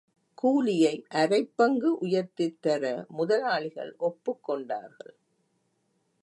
கூலியை அரைப் பங்கு உயர்த்தித் தர முதலாளிகள் ஒப்புக் கொண்டார்கள்.